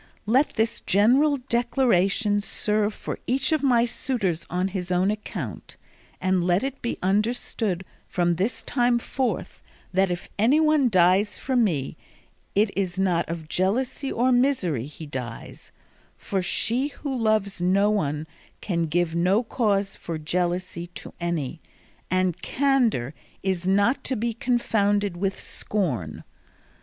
Let this general declaration serve for each of my suitors on his own account, and let it be understood from this time forth that if anyone dies for me it is not of jealousy or misery he dies, for she who loves no one can give no cause for jealousy to any, and candour is not to be confounded with scorn.